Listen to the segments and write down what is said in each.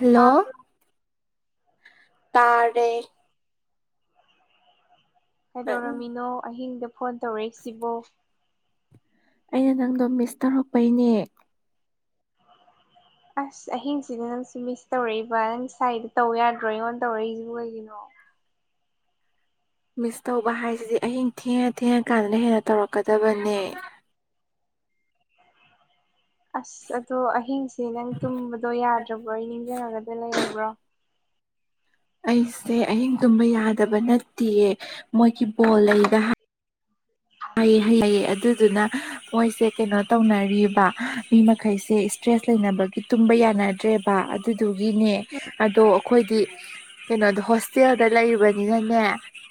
Hello ꯇꯥꯕ꯭ꯔꯣ ꯇꯥꯔꯦ ꯅꯪ ꯀꯩꯗꯧꯔꯝꯃꯤꯅꯣ ꯑꯍꯤꯡꯗ ꯐꯣꯟ ꯇꯧꯔꯛꯏꯁꯤꯕꯣ? ꯑꯩꯅ ꯅꯪꯗꯣ ꯃꯤꯁ ꯇꯧꯔꯛꯄꯩꯅꯦ꯫ ꯑꯁ ꯑꯍꯤꯡꯁꯤꯗꯤ ꯅꯪꯁꯨ ꯃꯤꯁ ꯇꯧꯔꯛꯏꯕ ꯅꯪ ꯁꯥꯏꯗ ꯇꯧ ꯌꯥꯗ꯭ꯔꯣ ꯑꯩꯉꯣꯟꯗ ꯇꯧꯔꯛꯏꯁꯤꯕꯨ ꯀꯩꯒꯤꯅꯣ ꯃꯤꯁ ꯇꯧꯕ ꯍꯥꯏꯁꯤꯗꯤ ꯑꯍꯤꯡ ꯊꯦꯡꯉ ꯊꯦꯡꯉ ꯀꯥꯟꯗꯅ ꯍꯦꯟꯅ ꯇꯧꯔꯛꯀꯗꯕꯅꯦ꯫ ꯑꯁ ꯑꯗꯣ ꯑꯍꯤꯡꯁꯦ ꯅꯪ ꯇꯨꯝꯕꯗꯣ ꯌꯥꯗ꯭ꯔꯕ꯭ꯔꯣ ꯅꯤꯡꯁꯤꯡꯉꯒꯗꯤ ꯂꯩꯔꯕ꯭ꯔꯣ? ꯑꯩꯁꯦ ꯑꯍꯤꯡ ꯇꯨꯝꯕ ꯌꯥꯗꯕ ꯅꯠꯇꯦꯌꯦ ꯃꯣꯏꯒꯤ ꯕꯣꯜ ꯂꯩꯕ ꯍꯩ ꯍꯥꯏꯑꯦ ꯑꯗꯨꯗꯨꯅ ꯃꯣꯏꯁꯦ ꯀꯩꯅꯣ ꯇꯧꯅꯔꯤꯕ ꯃꯤ ꯃꯈꯩꯁꯦ ꯏꯁꯇ꯭ꯔꯦꯁ ꯂꯩꯅꯕꯒꯤ ꯇꯨꯝꯕ ꯌꯥꯅꯗ꯭ꯔꯦꯕ꯫ ꯑꯗꯨꯗꯨꯒꯤꯅꯦ ꯑꯗꯣ ꯑꯩꯈꯣꯏꯗꯤ ꯀꯩꯅꯣꯗ ꯍꯣꯁꯇꯦꯜꯗ ꯂꯩꯕꯅꯤꯅꯅꯦ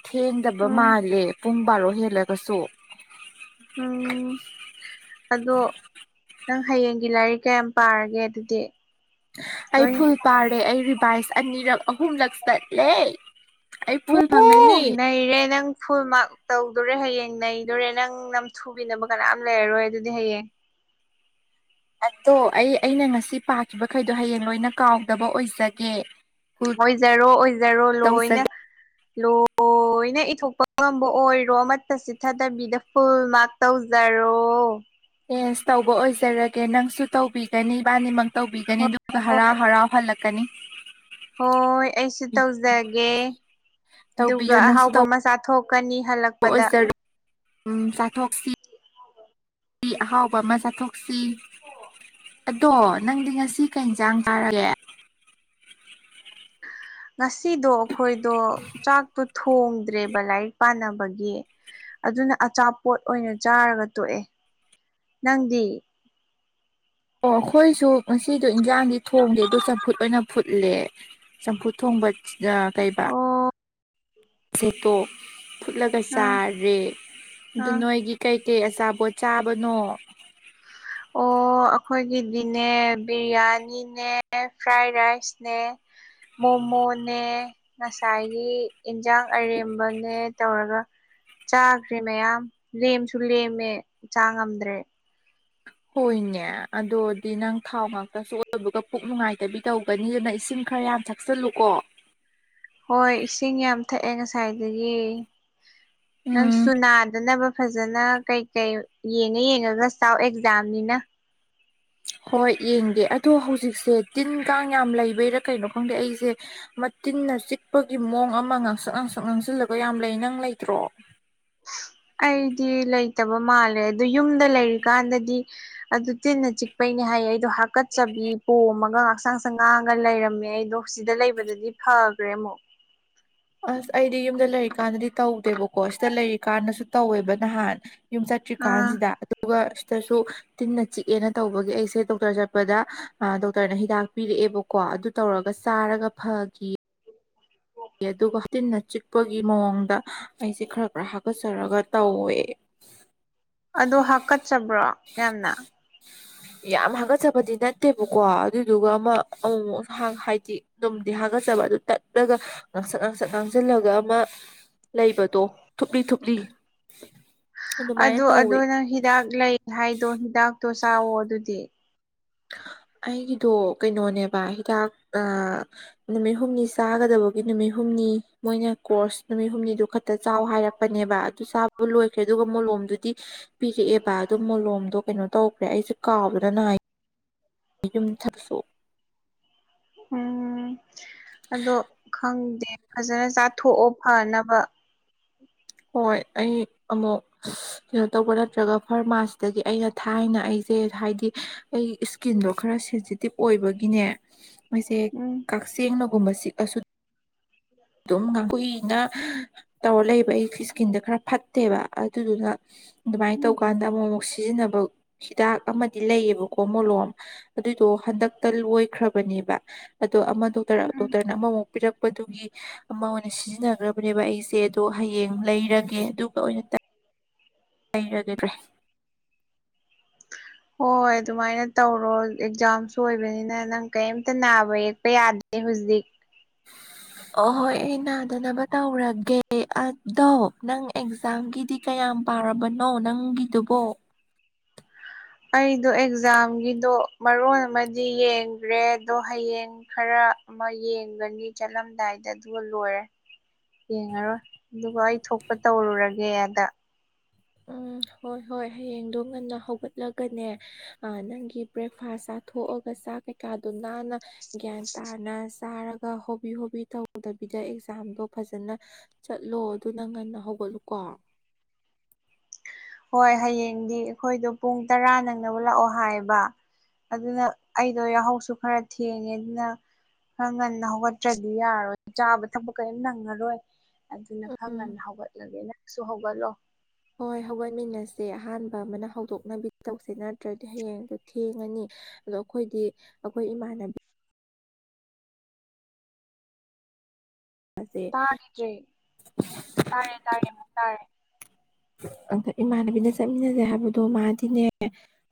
ꯊꯦꯡꯗꯕ ꯎꯝ ꯃꯥꯜꯂꯦ ꯄꯨꯡ ꯕꯥꯔꯣ ꯍꯦꯜꯂꯒꯁꯨ ꯎꯝ ꯑꯗꯣ ꯅꯪ ꯍꯌꯦꯡꯒꯤ ꯂꯥꯏꯔꯤꯛ ꯀꯌꯥꯝ ꯄꯥꯔꯒꯦ ꯑꯗꯨꯗꯤ ꯑꯩ ꯂꯣꯏ ꯐꯨꯜ ꯄꯥꯔꯦ ꯑꯩ ꯔꯤꯚꯥꯏꯁ ꯑꯅꯤꯔꯛ ꯑꯍꯨꯝꯂꯛ ꯆꯠꯂꯦ꯫ ꯑꯩ ꯐꯨꯜ ꯐꯪꯉꯥꯅꯤ꯫ ꯑꯣ ꯅꯩꯔꯦ ꯅꯪ ꯐꯨꯜ ꯃꯥꯛ ꯇꯧꯗꯣꯔꯦ ꯍꯌꯦꯡ ꯅꯩꯗꯣꯔꯦ ꯅꯪ ꯅꯝ ꯊꯨꯕꯤꯅꯕ ꯀꯅꯥꯝ ꯂꯩꯔꯔꯣꯏ ꯑꯗꯨꯗꯤ ꯍꯌꯦꯡ꯫ ꯑꯗꯣ ꯑꯩ ꯑꯩꯅ ꯉꯁꯤ ꯄꯥꯈꯤꯕꯈꯩꯗꯣ ꯍꯌꯦꯡ ꯂꯣꯏꯅ ꯀꯥꯎꯗꯕ ꯑꯣꯏꯖꯒꯦ꯫ ꯀꯨꯜ ꯑꯣꯏꯖꯔꯣ ꯑꯣꯏꯖꯔꯣ ꯂꯣꯏꯅ꯫ ꯇꯧꯖꯒꯦ ꯂꯣꯏꯅ ꯏꯊꯣꯛꯄ ꯉꯝꯕ ꯑꯣꯏꯔꯣ ꯑꯃꯠꯇ ꯆꯤꯊꯗꯕꯤꯗ ꯐꯨꯜ ꯃꯥꯔꯛ ꯇꯧꯖꯔꯣ ꯆꯦꯟꯖ ꯇꯧꯕ ꯑꯣꯏꯖꯔꯒꯦ ꯅꯪꯁꯨ ꯇꯧꯕꯤꯒꯅꯤ ꯏꯕꯥꯅꯤꯃꯛ ꯇꯧꯕꯤꯒꯅꯤ ꯑꯗꯨꯒ ꯍꯔꯥꯎ ꯍꯣꯏ ꯍꯔꯥꯎ ꯍꯂ ꯐꯅꯤ꯫ ꯍꯣꯏ ꯑꯩꯁꯨ ꯇꯧꯖꯒꯦ ꯑꯗꯨꯒ ꯑꯍꯥꯎꯕ ꯃꯆꯥ ꯊꯣꯛꯀꯅꯤ ꯍꯜꯂꯛ ꯑꯣꯏꯔꯨ ꯎ ꯆꯥꯊꯣꯛꯁꯤ ꯑꯍꯥꯎꯕ ꯑꯃ ꯆꯥꯊꯣꯛꯁꯤ꯫ ꯑꯗꯣ ꯅꯪꯗꯤ ꯉꯁꯤ ꯀꯩ ꯏꯟꯁꯥꯡ ꯆꯥꯔꯦ꯫ ꯉꯁꯤꯗꯣ ꯑꯩꯈꯣꯏꯗꯣ ꯆꯥꯛꯇꯣ ꯊꯣꯡꯗ꯭ꯔꯦꯕ ꯂꯥꯏꯔꯤꯛ ꯄꯥꯅꯕꯒꯤ꯫ ꯑꯗꯨꯅ ꯑꯆꯥꯄꯣꯠ ꯑꯣꯏꯅ ꯆꯥꯔꯒ ꯇꯣꯛꯑꯦ ꯅꯪꯗꯤ ꯑꯣ ꯑꯩꯈꯣꯏꯁꯨ ꯉꯁꯤꯗꯣ ꯏꯟꯖꯥꯡꯗꯤ ꯊꯣꯡꯗꯦ ꯑꯗꯨꯗ ꯆꯝꯐꯨꯠ ꯑꯣꯏꯅ ꯐꯨꯠꯂꯦ꯫ ꯆꯝꯐꯨ ꯊꯣꯡꯕ ꯀꯩꯕ ꯑꯣ ꯁꯦꯠꯇꯣꯛ ꯐꯨꯠꯂꯒ ꯑꯥ ꯆꯥꯔꯦ ꯑꯗꯨ ꯑꯥ ꯅꯣꯏꯒꯤ ꯀꯩꯀꯩ ꯑꯆꯥꯄꯣꯠ ꯆꯥꯕꯅꯣ? ꯑꯣ [inaudible] ꯑꯩꯈꯣꯏꯒꯤꯗꯤꯅꯦ ꯕꯤꯔꯌꯥꯅꯤꯅꯦ ꯐ꯭ꯔꯥꯏ ꯔꯥꯏꯁꯅꯦ ꯃꯣꯃꯣꯅꯦ ꯉꯁꯥꯏꯒꯤ ꯏꯟꯁꯥꯡ ꯑꯔꯦꯝꯕꯅꯦ ꯇꯧꯔꯒ ꯆꯥꯈ꯭ꯔꯦ ꯃꯌꯥꯝ ꯂꯦꯝꯁꯨ ꯂꯦꯝꯃꯦ ꯆꯥꯉꯝꯗ꯭ꯔꯦ ꯍꯣꯏꯅꯦ ꯑꯗꯨꯗꯣꯗꯤ ꯅꯪ ꯊꯥꯎ ꯉꯥꯛꯇꯁꯨ ꯑꯣꯏꯕꯒ ꯄꯨꯛ ꯅꯨꯡꯉꯥꯏꯇꯕꯤ ꯇꯧꯒꯅꯤ ꯑꯗꯨꯅ ꯏꯁꯤꯡ ꯈꯔ ꯌꯥꯝ ꯍꯥꯛꯆꯜꯂꯨꯀꯣ ꯍꯣꯏ ꯏꯁꯤꯡ ꯌꯥꯝ ꯊꯛꯑꯦ ꯉꯁꯥꯏꯗꯒꯤ ꯎꯝ ꯅꯪꯁꯨꯨ ꯅꯥꯗꯅꯕ ꯐꯖꯅ ꯀꯩ ꯀꯩ ꯌꯦꯡꯉ ꯌꯦꯡꯉꯒ ꯆꯥꯎ ꯑꯦꯛꯖꯥꯝꯅꯤꯅ ꯍꯣꯏ ꯌꯦꯡꯒꯦ ꯑꯗꯣ ꯍꯧꯖꯤꯛꯁꯦ ꯇꯤꯟ ꯀꯥꯡ ꯌꯥꯝ ꯂꯩꯕꯩꯔꯥ ꯀꯩꯅꯣ ꯈꯪꯗꯦ ꯑꯩꯁꯦ ꯃꯇꯤꯟꯅ ꯆꯤꯛꯄꯒꯤ ꯃꯑꯣꯡ ꯑꯃ ꯉꯥꯡꯁꯛ ꯉꯥꯡꯁꯛ ꯉꯥꯡꯁꯤꯜꯂꯒ ꯌꯥꯝ ꯂꯩ ꯅꯪ ꯂꯩꯇ꯭ꯔꯣ ꯑꯩꯗꯤ ꯂꯩꯇꯕ ꯃꯥꯜꯂꯦ ꯑꯗꯨ ꯌꯨꯝꯗ ꯂꯩꯔꯤꯀꯥꯟꯗꯗꯤ ꯑꯗꯨ ꯇꯤꯟꯅ ꯆꯤꯛꯄꯩꯅꯦ ꯍꯥꯏꯌꯦ ꯑꯩꯗꯣ ꯍꯀꯠꯆꯕꯤ ꯄꯣꯝꯃꯒ ꯉꯥꯛꯆꯥꯡꯁ ꯉꯥꯡꯉꯒ ꯂꯩꯔꯝꯃꯦ ꯑꯩꯗꯣ ꯁꯤꯗ ꯂꯩꯕꯗꯗꯤ ꯐꯈ꯭ꯔꯦ ꯑꯃꯨꯛ ꯑꯁ ꯑꯩꯗꯤ ꯌꯨꯝꯗ ꯂꯩꯔꯤꯀꯥꯟꯗꯗꯤ ꯇꯧꯗꯦꯕꯀꯣ ꯁꯤꯗ ꯂꯩꯔꯤꯀꯥꯟꯗꯁꯨ ꯇꯧꯋꯦꯕ ꯅꯍꯥꯟ ꯌꯨꯝ ꯆꯠꯇ꯭ꯔꯤ ꯑꯥ ꯀꯥꯟꯁꯤꯗ ꯑꯗꯨꯒ ꯁꯤꯗꯁꯨ ꯇꯤꯟꯅ ꯆꯤꯛꯑꯦꯅ ꯇꯧꯕꯒꯤ ꯑꯩꯁꯦ ꯗꯣꯛꯇꯔ ꯆꯠꯄꯗ ꯗꯣꯛꯇꯔꯅ ꯍꯤꯗꯥꯛ ꯄꯤꯔꯛꯑꯦꯕꯣ ꯀꯣ ꯑꯗꯨ ꯇꯧꯔꯒ ꯆꯥꯔꯒ ꯐꯒꯤ ꯑꯗꯨꯒ ꯇꯤꯟꯅ ꯆꯤꯛꯄꯒꯤ ꯃꯑꯣꯡꯗ ꯑꯩꯁꯦ ꯈꯔ ꯈꯔ ꯍꯀꯠꯆꯔꯒ ꯇꯧꯋꯦ ꯕ꯭ꯔꯣ ꯌꯥꯝꯅ ꯌꯥꯝ ꯍꯥꯥꯡꯒꯠꯆꯕꯗꯤ ꯅꯠꯇꯦꯕꯀꯣ ꯑꯗꯨꯗꯨꯒ ꯑꯃ ꯑꯃꯨꯛ ꯍꯥꯏꯗꯤ ꯗꯨꯝꯗꯤ ꯍꯥꯥꯡꯒꯠꯆꯕ ꯑꯗꯨ ꯇꯠꯂꯒ ꯉꯥꯡꯁꯠ ꯉꯥꯡꯁꯠ ꯉꯥꯡꯁꯤꯜꯂꯒ ꯑꯃ ꯂꯩꯕꯗꯣ ꯊꯨꯞꯂꯤ ꯊꯨꯞꯂꯤ ꯑꯗꯨꯃꯥꯏꯅ ꯑꯗꯣ ꯑꯗꯣ ꯇꯧꯋꯤ ꯅꯪ ꯍꯤꯗꯥꯛ ꯂꯩ ꯍꯥꯏꯗꯣ ꯍꯤꯗꯥꯛꯇꯣ ꯆꯥꯎꯑꯣ ꯑꯗꯨꯗꯤ ꯑꯩꯒꯤꯗꯣ ꯀꯩꯅꯣꯅꯦꯕ ꯍꯤꯗꯥꯛ ꯅꯨꯃꯤꯠ ꯍꯨꯝꯅꯤ ꯆꯥꯒꯗꯕꯒꯤ ꯅꯨꯃꯤꯠ ꯍꯨꯝꯅꯤ ꯃꯣꯏꯅ ꯀꯣꯔꯁ ꯅꯨꯃꯤꯠ ꯍꯨꯝꯅꯤꯗꯨ ꯗ ꯆꯥꯎ ꯍꯥꯏꯔꯛꯄꯅꯦꯕ ꯑꯗꯨ ꯆꯥꯕ ꯂꯣꯏꯈ꯭ꯔꯦ ꯑꯗꯨꯒ ꯃꯣꯂꯣꯝꯗꯨꯗꯤ ꯄꯤꯔꯛꯑꯦ ꯕꯥ ꯑꯗꯨ ꯃꯣꯂꯣꯝꯗꯣ ꯀꯩꯅꯣ ꯇꯧꯈ꯭ꯔꯦ ꯑꯩꯁꯦ ꯀꯥꯎꯕꯗꯅ ꯌꯨꯝꯊꯛꯁꯨ ꯎꯝ ꯑꯗꯣ ꯈꯪꯗꯦ ꯐꯖꯅ ꯆꯥꯊꯣꯛꯑꯣ ꯐꯅꯕ ꯍꯣꯏ ꯑꯩ ꯑꯃꯨꯛ ꯀꯩꯅꯣ ꯇꯧꯕ ꯅꯠꯇ꯭ꯔꯒ ꯐꯥꯔꯃꯥꯁꯤꯗꯒꯤ ꯑꯩꯅ ꯊꯥꯏꯅ ꯑꯩꯁꯦ ꯍꯥꯏꯗꯤ ꯑꯩ ꯏꯁꯀꯤꯟꯗꯣ ꯈꯔ ꯁꯦꯟꯁꯤꯇꯤꯞ ꯑꯣꯏꯕꯒꯤꯅꯦ ꯃꯣꯏꯁꯦ ꯎꯝ ꯁꯦꯡꯅꯒꯨꯝꯕ ꯁꯤꯑꯥꯁꯨ ꯑꯗꯨꯝ ꯀꯨꯏꯅ ꯇꯧꯔ ꯂꯩꯕ ꯑꯩ ꯏꯁꯀꯤꯟꯗ ꯈꯔ ꯐꯠꯇꯦꯕ ꯑꯗꯨꯗꯨꯅ ꯑꯗꯨꯃꯥꯏꯅ ꯎꯝ ꯇꯧꯀꯥꯟꯗ ꯑꯃꯨꯛ ꯑꯃꯨꯛ ꯁꯤꯖꯤꯟꯅꯕ ꯍꯤꯗꯥꯛ ꯑꯃꯗꯤ ꯂꯩꯌꯦꯕꯀꯣ ꯃꯣꯂꯣꯝ ꯑꯗꯨꯏꯗꯣ ꯍꯟꯗꯛꯇ ꯂꯣꯏꯈ꯭ꯔꯕꯅꯦꯕ ꯑꯗꯣ ꯑꯃ ꯗꯣꯛꯇꯔ ꯗꯣꯛꯇꯔꯅ ꯑꯃꯃꯨꯛ ꯄꯤꯔꯛꯄꯗꯨꯒꯤ ꯑꯃ ꯑꯣꯏꯅ ꯁꯤꯖꯤꯟꯅꯈ꯭ꯔꯕꯅꯦꯕ ꯑꯩꯁꯦ ꯑꯗꯣ ꯍꯌꯦꯡ ꯂꯩꯔꯒꯦ ꯑꯗꯨꯒ ꯑꯣꯏꯅ ꯂꯩꯔꯒꯗ꯭ꯔꯦ ꯍꯣꯏ ꯑꯗꯨꯃꯥꯏꯅ ꯇꯧꯔꯣ ꯑꯦꯛꯖꯥꯝꯁꯨ ꯑꯣꯏꯕꯅꯤꯅ ꯅꯪ ꯀꯔꯤꯝꯇ ꯅꯥꯕ ꯌꯦꯛꯄ ꯌꯥꯗꯦ ꯍꯧꯖꯤꯛ [unintelligible] ꯑꯣꯍꯣꯏ ꯑꯩ ꯅꯥꯗꯅꯕ ꯇꯧꯔꯒꯦ ꯑꯗꯣ ꯅꯪ ꯑꯦꯛꯖꯥꯝꯒꯤꯗꯤ ꯀꯌꯥꯝ ꯄꯥꯔꯕꯅꯣ ꯅꯪꯒꯤꯗꯨꯕꯣ ꯑꯩꯗꯣ ꯑꯦꯛꯖꯥꯝꯒꯤꯗꯣ ꯃꯔꯣꯟ ꯑꯃꯗꯤ ꯌꯦꯡꯒ꯭ꯔꯦ ꯑꯗꯣ ꯍꯌꯦꯡ ꯈꯔ ꯑꯃ ꯌꯦꯡꯒꯅꯤ ꯆꯠꯂꯝꯗꯥꯏꯗ ꯑꯗꯨꯒ ꯂꯣꯏꯔꯦ ꯌꯦꯡꯉꯔꯣꯏ ꯑꯗꯨꯒ ꯑꯩ ꯊꯣꯛꯄ ꯇꯧꯔꯨꯔꯒꯦ ꯑꯗ ꯎꯝ ꯍꯣꯏ ꯍꯣꯏ ꯍꯌꯦꯡꯗꯣ ꯉꯟꯅ ꯍꯧꯒꯠꯂꯒꯅꯦ ꯅꯪꯒꯤ ꯕ꯭ꯔꯦꯛꯐꯥꯁ ꯆꯥꯊꯣꯛꯑꯒ ꯆꯥꯛ ꯀꯩꯀꯥꯗꯣ ꯅꯥꯟꯅ ꯒ꯭ꯌꯥꯟ ꯇꯥꯅ ꯆꯥꯔꯒ ꯍꯣꯕꯤ ꯍꯣꯕꯤ ꯇꯧꯗꯕꯤꯗ ꯑꯦꯛꯖꯥꯝꯗꯣ ꯐꯖꯅ ꯆꯠꯂꯣ ꯑꯗꯨꯅꯪ ꯉꯟꯅ ꯍꯧꯒꯠꯂꯨꯀꯣ ꯍꯣꯏ ꯍꯌꯦꯡꯗꯤ ꯑꯩꯈꯣꯏꯗꯣ ꯄꯨꯡ ꯇꯔꯥ ꯅꯪꯅꯠ ꯂꯥꯛꯑꯣ ꯍꯥꯏꯌꯦꯕ ꯑꯗꯨꯅ ꯑꯩꯗꯣ ꯌꯥꯍꯧꯁꯨ ꯈꯔ ꯊꯦꯡꯉꯦ ꯑꯗꯨꯅ ꯈ ꯉꯟꯅ ꯍꯧꯒꯠꯇ꯭ꯔꯗꯤ ꯌꯥꯔꯣꯏ ꯆꯥꯕ ꯊꯛ ꯀꯔꯤꯝ ꯅꯪꯉꯔꯣꯏ ꯑꯗꯨꯅ ꯎꯝ ꯈꯪꯉꯟ ꯍꯧꯒꯠꯂꯒꯦ ꯅꯪꯁꯨ ꯍꯧꯒꯠꯂꯣ ꯍꯣꯏ ꯍꯧꯒꯠꯃꯤꯟꯅꯁꯦ ꯑꯍꯥꯟꯕ ꯑꯃꯅ ꯍꯧꯗꯣꯛꯅꯕꯤ ꯇꯧꯁꯦ ꯅꯠꯇ꯭ꯔꯗꯤ ꯍꯌꯦꯡꯗꯣ ꯊꯦꯡꯉꯅꯤ ꯑꯗꯣ ꯑꯩꯈꯣꯏꯗꯤ ꯑꯩꯈꯣꯏ ꯏꯃꯥꯟꯅꯕꯤ ꯇꯥꯈꯤꯗ꯭ꯔꯦ ꯎ ꯇꯥꯔꯦ ꯇꯥꯔꯦ ꯇꯥꯔꯦ ꯑꯗ ꯏꯃꯥꯟꯅꯕꯤꯅ ꯆꯠꯃꯤꯟꯅꯁꯦ ꯍꯥꯏꯕꯗꯣ ꯃꯥꯗꯤꯅꯦ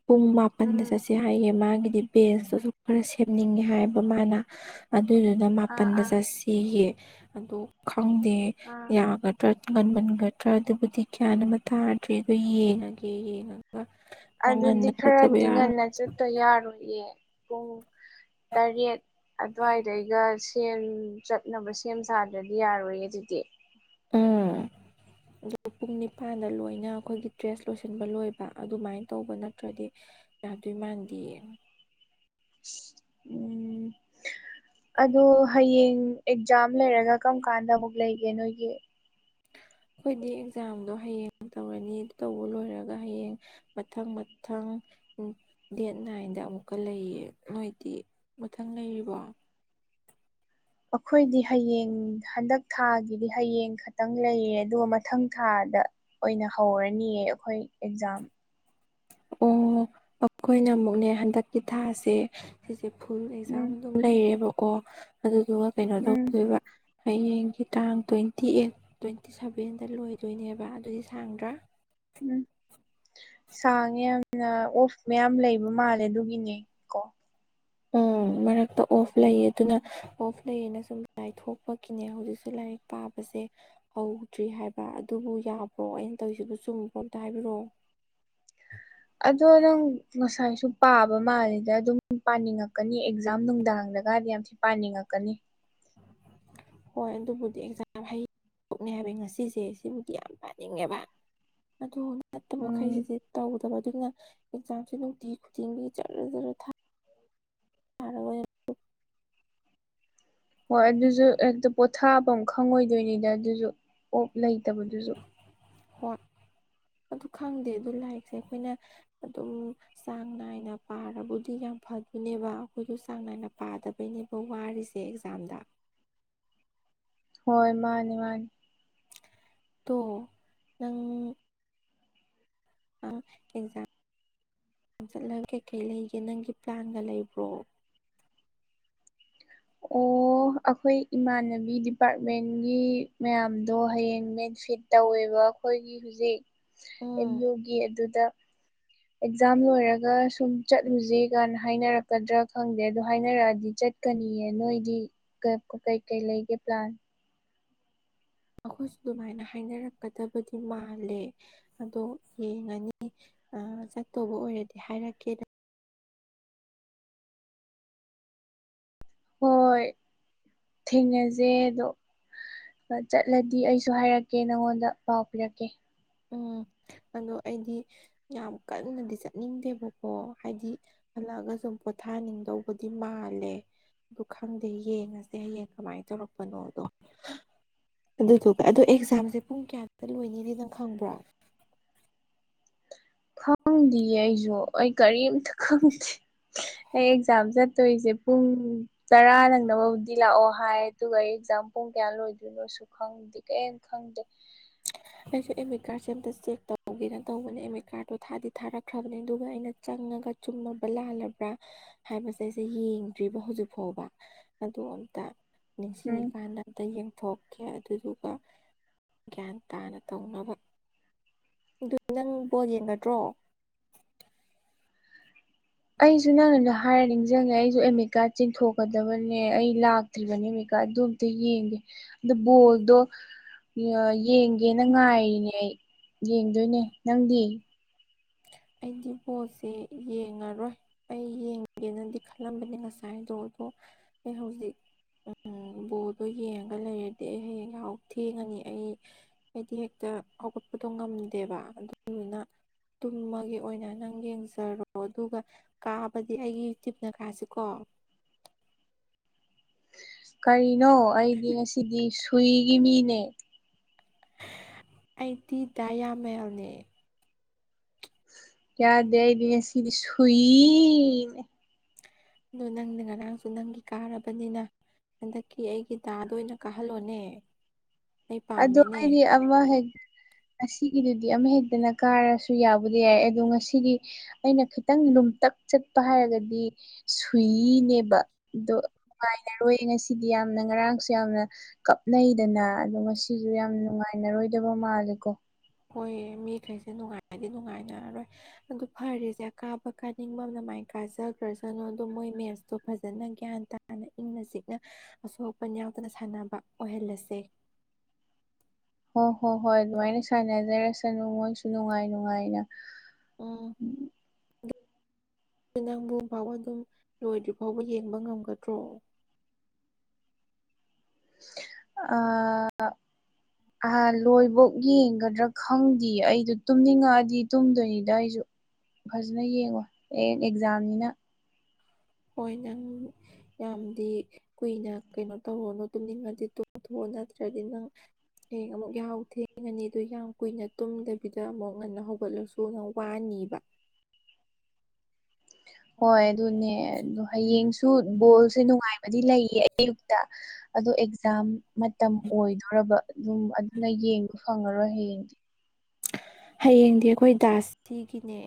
ꯄꯨꯡ ꯃꯄꯟꯗ ꯎꯝ ꯆꯠꯁꯦ ꯍꯥꯏꯌꯦ ꯃꯥꯒꯤꯗꯤ ꯕꯦꯟꯁꯇꯨꯁꯨ ꯈꯔ ꯁꯦꯝꯅꯤꯡꯉꯦ ꯍꯥꯏꯕ ꯃꯥꯅ ꯑꯗꯨꯗꯨꯅ ꯑꯥ ꯃꯥꯄꯟꯗ ꯑꯥ ꯆꯠꯁꯤꯌꯦ ꯑꯗꯨ ꯈꯪꯗꯦ ꯑꯥ ꯌꯥꯒꯗ꯭ꯔꯥ ꯉꯟꯃꯟꯒꯗ꯭ꯔꯥ ꯑꯗꯨꯕꯨꯗꯤ ꯀ꯭ꯌꯥ ꯑꯃ ꯇꯥꯗ꯭ꯔꯦꯗ ꯌꯦꯡꯉꯒꯦ ꯌꯦꯡꯉꯒ ꯈꯔ ꯑꯗꯨꯗꯤ ꯉꯟꯅ ꯈꯣꯠꯇꯕ ꯈꯔꯗꯤ ꯌꯥꯔꯣꯏ ꯉꯟꯅ ꯆꯠ ꯇ ꯌꯥꯔꯣꯏꯌꯦ ꯄꯨꯡ ꯇꯔꯦꯠ ꯑꯗꯨꯋꯥꯏꯗꯩꯒ ꯁꯦꯟ ꯆꯠꯅꯕ ꯁꯦꯝ ꯁꯥꯗ꯭ꯔꯗꯤ ꯌꯥꯔꯣꯏ ꯑꯗꯨꯖꯤꯗꯤ ꯎꯝ ꯑ ꯄꯨꯡ ꯅꯤꯄꯜꯗ ꯂꯣꯏꯅ ꯑꯩꯈꯣꯏꯒꯤ ꯗ꯭ꯔꯦꯁ ꯂꯣꯏꯁꯤꯟꯕ ꯂꯣꯏꯕ ꯑꯗꯨꯃꯥꯏꯅ ꯇꯧꯕ ꯅꯠꯇ꯭ꯔꯗꯤ ꯌꯥꯥꯗꯨ ꯏ ꯃꯥꯟꯗꯤ ꯎꯝ ꯑꯣ ꯍꯌꯦꯡ ꯑꯦꯛꯖꯥꯝ ꯂꯩꯔꯒ ꯀꯔꯝ ꯀꯥꯟꯗ ꯑꯃꯨꯛ ꯂꯩꯒꯦ ꯅꯣꯏꯒꯤ ꯑꯩꯈꯣꯏꯗꯤ ꯑꯦꯛꯖꯥꯝꯗꯣ ꯍꯌꯦꯡ ꯇꯧꯔꯅꯤ ꯑꯗꯨ ꯇꯧꯕ ꯂꯣꯏꯔꯒ ꯍꯌꯦꯡ ꯃꯊꯪ ꯃꯊꯪ ꯎ ꯗꯦꯠ ꯅꯥꯏꯟꯗ ꯑꯃꯨꯛꯀ ꯂꯩꯌꯦ ꯅꯣꯏꯗꯤ ꯃꯊꯪ ꯂꯩꯔꯤꯕꯣ ꯑꯩꯈꯣꯏꯗꯤ ꯍꯌꯦꯡ ꯍꯟꯗꯛ ꯊꯥꯒꯤꯗꯤ ꯍꯌꯦꯡ ꯈꯛꯇꯪ ꯂꯩꯌꯦ ꯑꯗꯨꯒ ꯃꯊꯪ ꯊꯥꯗ ꯑꯣꯏꯅ ꯍꯧꯔꯅꯤꯌꯦ ꯑꯩꯈꯣꯏ ꯑꯦꯛꯖꯥꯝ ꯑꯣ ꯑꯩꯈꯣꯏꯅ ꯑꯃꯨꯛꯅꯦ ꯍꯟꯗꯛꯀꯤ ꯊꯥꯁꯦ ꯁꯤꯁꯦ ꯐꯨꯜ ꯑꯦꯛꯖꯥꯝ ꯎꯝ ꯑꯗꯨꯝ ꯂꯩꯔꯦꯕꯀꯣ ꯑꯗꯨꯗꯨꯒ ꯀꯩꯅꯣ ꯎꯝ ꯇꯧꯗꯣꯏꯕ ꯍꯌꯦꯡꯒꯤ ꯇꯥꯡ ꯇ꯭ꯋꯦꯟꯇꯤ ꯑꯩꯠ ꯇ꯭ꯋꯦꯟꯇꯤ ꯁꯚꯦꯟꯗ ꯂꯣꯏꯗꯣꯏꯅꯦꯕ ꯑꯗꯨꯗꯤ ꯁꯥꯡꯗ꯭ꯔꯥ ꯎꯝ ꯁꯥꯡꯉꯦ ꯌꯥꯝꯅ ꯑꯣꯐ ꯃꯌꯥꯝ ꯂꯩꯕ ꯃꯥꯜꯂꯦ ꯑꯗꯨꯒꯤꯅꯦ ꯀꯣ ꯎꯝ ꯃꯔꯛꯇ ꯑꯣꯐ ꯂꯩꯌꯦ ꯑꯗꯨꯅ ꯑꯣꯐ ꯂꯩꯌꯦꯅ ꯁꯨꯝ ꯂꯥꯏꯔꯤꯛ ꯊꯣꯛꯄꯒꯤꯅꯦ ꯍꯧꯖꯤꯛꯁꯨ ꯂꯥꯏꯔꯤꯛ ꯄꯥꯕꯁꯦ ꯍꯧꯗ꯭ꯔꯤ ꯍꯥꯏꯕ ꯑꯗꯨꯕꯨ ꯌꯥꯕ꯭ꯔꯣ ꯑꯩꯅ ꯇꯧꯔꯤꯁꯤꯕꯨ ꯆꯨꯝꯕꯕ꯭ꯔꯣ ꯑꯝꯇ ꯍꯥꯏꯕꯤꯔꯛꯑꯣ ꯑꯗꯣ ꯅꯪ ꯉꯁꯥꯏꯁꯨ ꯄꯥꯕ ꯃꯥꯜꯂꯤꯗ ꯑꯗꯨꯝ ꯄꯥꯅꯤꯡꯉꯛꯀꯅꯤ ꯑꯦꯛꯖꯥꯝ ꯅꯨꯡꯗꯥꯡꯗꯒꯗꯤ ꯌꯥꯝ ꯄꯥꯅꯤꯡꯉꯛꯀꯅꯤ [inaudible] ꯍꯣꯏ ꯑꯗꯨꯕꯨꯗꯤ ꯑꯦꯛꯖꯥꯝ ꯍꯩꯡꯣꯛꯅꯦ ꯍꯥꯏꯕ ꯉꯁꯤꯁꯦ ꯁꯤꯕꯨꯗꯤ ꯌꯥꯝ ꯄꯥꯅꯤꯡꯉꯦꯕ ꯑꯗꯨ ꯅꯠꯇꯕ ꯎꯝ ꯃꯈꯩꯁꯤꯗꯤ ꯇꯧꯗꯕ ꯑꯗꯨꯅ ꯑꯦꯛꯖꯥꯝꯁꯦ ꯅꯨꯡꯇꯤ ꯈꯨꯗꯤꯡꯒꯤ ꯖꯔ ꯖꯔ ꯊꯥ ꯍꯣꯏ ꯑꯗꯨꯁꯨ ꯍꯦꯛꯇ ꯄꯣꯊꯥꯕ ꯑꯃ ꯈꯪꯉꯣꯏꯗꯣꯏꯅꯤꯗ ꯑꯗꯨꯁꯨ ꯑꯣꯞ ꯂꯩꯇꯕꯗꯨꯁꯨ ꯍꯣꯢ ꯑꯗꯨ ꯈꯪꯗꯦ ꯑꯗꯨ ꯂꯥꯏꯔꯤꯛꯁꯦ ꯑꯩꯈꯣꯏꯅ ꯑꯗꯨꯝ ꯆꯥꯡ ꯅꯥꯏꯅ ꯄꯥꯕꯨꯗꯤ ꯌꯥꯝ ꯐꯗꯣꯏꯅꯦꯕ ꯑꯩꯈꯣꯏꯁꯨ ꯆꯥꯡ ꯅꯥꯏꯅ ꯄꯥꯗꯕ ꯑꯩꯈꯣꯏꯅꯦꯕ ꯋꯥꯔꯤꯔꯤꯁꯦ ꯑꯦꯛꯖꯥꯝꯗ ꯍꯣꯏ ꯃꯥꯅꯤ ꯃꯥꯅꯤ ꯇꯣ ꯅꯪ ꯑ ꯑꯦꯛꯖꯥꯝ ꯆꯠꯂꯒ ꯀꯩꯀꯩ ꯂꯩꯒꯦ ꯅꯪꯒꯤ ꯄ꯭ꯂꯥꯟꯒ ꯂꯩꯕ꯭ꯔꯣ ꯑꯣ ꯑꯩꯈꯣꯏ ꯏꯃꯥꯟꯅꯕꯤ ꯗꯤ ꯄꯔ ꯒꯃꯦꯟꯒꯤ ꯃꯌꯥꯝꯗꯣ ꯍꯌꯦꯡ ꯕꯦꯅꯤꯐꯤꯠ ꯇꯧꯋꯦꯕ ꯑꯩꯈꯣꯏꯒꯤ ꯍꯧꯖꯤꯛ ꯑꯦꯝ ꯎꯝ ꯌꯨꯒꯤ ꯑꯗꯨꯗ ꯑꯦꯛꯖꯥꯝ ꯂꯣꯏꯔꯒ ꯁꯨꯝ ꯆꯠꯂꯨꯖꯤ ꯀꯥꯏꯅ ꯍꯥꯏꯅꯔꯛꯀꯗ꯭ꯔꯥ ꯈꯪꯗꯦ ꯑꯗꯣ ꯍꯥꯏꯅꯔꯛꯑꯗꯤ ꯆꯠ ꯀꯅꯤꯌꯦ ꯅꯣꯏꯒꯤ ꯀ ꯀꯩꯀꯩ ꯂꯩꯒꯦ ꯄ꯭ꯂꯥꯟ ꯑꯩꯈꯣꯏꯁꯨ ꯑꯗꯨꯃꯥꯏꯅ ꯍꯥꯏꯅꯔꯛꯀꯗꯕꯗꯤ ꯃꯥꯜꯂꯦ ꯑꯗꯣ ꯌꯦꯡꯉꯅꯤ ꯑ ꯆꯠꯇꯧꯕ ꯑꯣꯏꯔꯗꯤ ꯍꯥꯏꯔꯛꯀꯦ ꯍꯣꯏ ꯊꯦꯡꯅꯖꯦ ꯑꯗꯣ ꯑ ꯆꯠꯂꯗꯤ ꯑꯩꯁꯨ ꯍꯥꯏꯔꯛꯀꯦ ꯅꯪꯉꯣꯟꯗ ꯄꯥꯎ ꯄꯤꯔꯛꯀꯦ ꯎꯝ ꯑꯗꯣ ꯑꯩꯗꯤ ꯌꯥꯝ ꯀꯟꯅꯗꯤ ꯆꯠꯅꯤꯡꯗꯦꯕꯀꯣ ꯍꯥꯏꯗꯤ ꯍꯜꯂꯛꯑꯒ ꯁꯨꯝ ꯄꯣꯊꯥꯅꯤꯡꯗꯧꯕꯗꯤ ꯃꯥꯜꯂꯦ ꯑꯗꯨ ꯈꯪꯗꯦ ꯌꯦꯡꯉꯁꯦ ꯍꯌꯦꯡ ꯀꯃꯥꯏ ꯇꯧꯔꯛꯄꯅꯣꯗꯣ ꯑꯗꯨꯗꯨꯒ ꯑꯗꯣ ꯑꯦꯛꯖꯥꯝꯁꯦ ꯄꯨꯡ ꯀꯌꯥꯗ ꯂꯣꯏꯅꯤꯗꯤ ꯅꯪ ꯈꯪꯕ꯭ꯔꯣ ꯈꯪꯗꯤꯌꯦ ꯑꯩꯖꯨ ꯑꯩ ꯀꯔꯤꯝꯇ ꯈꯪꯗꯦ ꯑꯩ ꯑꯦꯛꯖꯥꯝ ꯆꯠꯇꯣꯏꯖꯦ ꯄꯨꯡ ꯇꯔꯥ ꯅꯪꯅꯕ ꯂꯥꯛꯑꯣ ꯍꯥꯏ ꯑꯗꯨꯒ ꯑꯩ ꯑꯦꯛꯖꯥꯝ ꯄꯨꯡ ꯀꯌꯥ ꯂꯣꯏꯗꯣꯏꯅꯣꯁꯨ ꯈꯪꯗꯦ ꯀꯩꯝ ꯈꯪꯗꯦ ꯑꯩꯁꯨ ꯑꯦꯃꯤꯠ ꯀꯥꯔꯠꯁꯦ ꯑꯝꯇ ꯆꯦꯛ ꯇꯧꯒꯦꯅ ꯇꯧꯕꯅꯦ ꯑꯦꯃꯤꯠ ꯀꯥꯔꯠꯇꯣ ꯊꯥꯗꯤ ꯊꯥꯔꯛꯈ꯭ꯔꯕꯅꯦ ꯑꯗꯨꯒ ꯑꯩꯅ ꯆꯪꯉꯒ ꯆꯨꯝꯃꯕ ꯂꯥꯜꯂꯕ꯭ꯔꯥ ꯍꯥꯏꯕꯁꯦ ꯑꯩꯁꯦ ꯌꯦꯡꯗ꯭ꯔꯤꯕ ꯍꯧꯖꯤꯛ ꯐꯥꯎꯕ ꯑꯗꯨ ꯑꯝꯇ ꯎꯝ ꯅꯤꯡꯁꯤꯡꯉꯤꯀꯥꯟꯗ ꯑꯝꯇ ꯌꯦꯡꯊꯣꯛꯀꯦ ꯑꯗꯨꯗꯨꯒ ꯒ꯭ꯌꯥꯟ ꯇꯥꯅ ꯇꯧꯅꯕ ꯑꯗꯨ ꯅꯪ ꯕꯣꯜ ꯌꯦꯡꯒꯗ꯭ꯔꯣ ꯑꯩꯖꯨ ꯅꯪꯅ ꯅ ꯍꯥꯏꯔꯅꯤꯡ ꯖꯪꯉꯦ ꯑꯩꯖꯨ ꯑꯦꯠꯃꯤꯠ ꯀꯥꯔꯠ ꯆꯤꯡꯊꯣꯛꯀꯗꯕꯅꯦ ꯑꯩ ꯂꯥꯛꯇ꯭ꯔꯤꯕꯅꯦ ꯑꯦꯃꯤꯠ ꯀꯥꯔꯠ ꯑꯗꯨ ꯑꯝꯇ ꯌꯦꯡꯒꯦ ꯗꯨ ꯕꯣꯜꯗꯨ ꯌ ꯌꯦꯡꯒꯦꯅ ꯉꯥꯏꯔꯤꯅꯦ ꯑꯩ ꯌꯦꯡꯗꯣꯏꯅꯦ ꯅꯪꯗꯤ ꯑꯩꯗꯤ ꯕꯣꯜꯁꯦ ꯌꯦꯡꯉꯔꯣꯏ ꯑꯩ ꯌꯦꯡꯒꯦꯅꯗꯤ ꯈꯜꯂꯝꯕꯅꯦ ꯉꯁꯥꯏꯗꯣ ꯑꯗꯣ ꯑꯩ ꯍꯧꯖꯤꯛ ꯎꯝ ꯕꯣꯜꯗꯣ ꯌꯦꯡꯉꯒ ꯂꯩꯔꯗꯤ ꯑꯩ ꯍꯌꯦꯡ ꯌꯥꯍꯧ ꯊꯦꯡꯉꯅꯤ ꯑꯩ ꯑꯩꯗꯤ ꯍꯦꯛꯇ ꯍꯧꯒꯠꯄꯗꯣ ꯉꯝꯗꯦꯕ ꯑꯗꯨꯗꯨꯅ ꯇꯨꯝꯃꯒꯦ ꯑꯣꯏꯅ ꯅꯪ ꯌꯦꯡꯖꯔꯣ ꯑꯗꯨꯒ ꯀꯥꯕꯗꯤ ꯑꯩꯒꯤ ꯇꯤꯞꯅ ꯀꯥꯥꯁꯤꯀꯣ ꯀꯔꯤꯅꯣ ꯑꯩꯗꯤ ꯉꯁꯤꯗꯤ ꯁꯨꯏꯒꯤ ꯃꯤꯅꯦ ꯑꯩꯗꯤ ꯗꯥ ꯌꯥꯃꯦꯜꯅꯦ ꯌꯥꯗꯦ ꯑꯩꯗꯤ ꯉꯥꯁꯤꯗꯤ ꯁꯨꯏ ꯑꯗꯨ ꯅꯪꯅ ꯉꯔꯥꯡꯁꯨ ꯅꯪꯒꯤ ꯀꯥꯔꯕꯅꯤꯅ ꯍꯟꯗꯛꯀꯤ ꯑꯩꯒꯤ ꯗꯥꯗꯣ ꯑꯣꯏꯅ ꯀꯥꯍꯜꯂꯣꯅꯦ ꯑꯩ ꯑꯗꯣ ꯄꯥꯝꯃꯦꯅꯦ ꯑꯩꯗꯤ ꯑꯃ ꯍꯦꯛ ꯉꯁꯤꯒꯤꯗꯨꯗꯤ ꯑꯃ ꯍꯦꯛꯇꯅ ꯀꯥꯔꯁꯨ ꯌꯥꯕꯨꯗꯤ ꯌꯥꯏ ꯑꯗꯣ ꯉꯁꯤꯒꯤ ꯑꯩꯅ ꯈꯤꯇꯪ ꯂꯨꯝꯇꯛ ꯆꯠꯄ ꯍꯥꯏꯔꯒꯗꯤ ꯁꯨꯏꯅꯦꯕ ꯑꯗꯣ ꯅꯨꯡꯉꯥꯏꯅꯔꯣꯏ ꯉꯁꯤꯗꯤ ꯌꯥꯝꯅ ꯉꯔꯥꯡꯁꯨ ꯌꯥꯝꯅ ꯀꯞꯅꯩꯗꯅ ꯑꯗꯣ ꯉꯁꯤꯖꯨ ꯌꯥꯝ ꯅꯨꯡꯉꯥꯏꯅꯔꯣꯏꯗꯕ ꯃꯥꯜꯂꯦꯀꯣ ꯍꯣꯏ ꯃꯤꯈꯩꯁꯦ ꯅꯨꯡꯉꯥꯏꯗꯤ ꯅꯨꯡꯉꯥꯏꯅꯔꯔꯣꯏ ꯑꯗꯨ ꯐꯔꯦꯁꯦ ꯀꯥꯕ ꯀꯥꯅꯤꯡꯕꯝꯅ ꯃꯥꯏꯟ ꯀꯥꯖꯒ꯭ꯔꯖꯅꯣ ꯑꯗꯣ ꯃꯣꯏ ꯃꯦꯠꯁꯇꯣ ꯐꯖꯅ ꯒ꯭ꯌꯥꯟ ꯇꯥ ꯍꯥꯟꯅ ꯏꯪꯅ ꯆꯤꯛꯅ ꯑꯁꯣꯛ ꯑꯄꯟ ꯌꯥꯎꯗꯅ ꯁꯥꯟꯅꯕ ꯑꯣꯏꯍꯜꯂꯁꯦ ꯍꯣ ꯍꯣ ꯍꯣꯏ ꯑꯗꯨꯃꯥꯏꯅ ꯁꯥꯟꯅꯖꯔꯁꯅꯨ ꯃꯣꯏꯁꯨ ꯅꯨꯡꯉꯥꯏ ꯅꯨꯡꯉꯥꯏꯅ ꯎꯝ ꯑꯗꯨ ꯅꯪꯕꯨ [unintelligible] ꯑꯗꯨꯝ ꯂꯣꯏꯗ꯭ꯔꯤ ꯐꯥꯎꯕ ꯌꯦꯡꯕ ꯉꯝꯒꯗ꯭ꯔꯣ ꯑꯥ ꯑ ꯂꯣꯏꯕꯧ ꯌꯦꯡꯒꯗ꯭ꯔꯥ ꯈꯪꯗꯤꯌꯦ ꯑꯩꯗꯣ ꯇꯨꯝꯅꯤꯡꯉꯛꯑꯗꯤ ꯇꯨꯝꯗꯣꯏꯅꯤꯗ ꯑꯩꯖꯨ ꯐꯖꯅ ꯌꯦꯡꯉꯣ ꯑꯦ ꯑꯦꯛꯖꯥꯝꯅꯤꯅ ꯑꯣꯏ ꯅꯪ ꯌꯥꯝꯗꯤ ꯀꯨꯏꯅ ꯀꯩꯅꯣ ꯇꯧꯔꯨꯅꯨ ꯇꯨꯝꯅꯤꯡꯉꯗꯤ ꯇꯨꯝꯊꯣꯛꯑꯣ ꯅꯠꯇ꯭ꯔꯗꯤ ꯅꯪ ꯍꯌꯦꯡ ꯑꯃꯨꯛ ꯌꯥꯎ ꯊꯦꯡꯉꯅꯤ ꯑꯗꯨ ꯌꯥꯝ ꯀꯨꯏꯅ ꯇꯨꯝꯗꯕꯤꯗ ꯑꯃꯨꯛ ꯉꯟꯅ ꯍꯧꯒꯠꯂꯁꯨ ꯑꯗꯨꯨꯅ ꯋꯥꯅꯤꯕ ꯍꯣꯏ ꯑꯗꯨꯅꯦ ꯑ ꯍꯌꯦꯡꯁꯨ ꯕꯣꯜꯁꯦ ꯅꯨꯡꯉꯥꯏꯕ ꯗꯤ ꯂꯩꯌꯦ ꯑꯌꯨꯛꯇ ꯑꯗꯣ ꯑꯦꯛꯖꯥꯝ ꯃꯇꯝ ꯑꯣꯏꯗꯣꯔꯔꯕ ꯑꯗꯨꯝ ꯑꯗꯨꯅ ꯌꯦꯡꯕ ꯐꯪꯉꯔꯣꯏ ꯍꯌꯦꯡꯗꯤ ꯍꯌꯦꯡꯗꯤ ꯑꯩꯈꯣꯏ ꯗꯥꯁꯇꯤꯒꯤꯅꯦ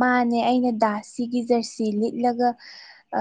ꯃꯥꯅꯦ ꯑꯩꯅ ꯗꯥꯁꯁꯤꯒꯤ ꯖꯔꯁꯤ ꯂꯤꯠꯂꯒ ꯑ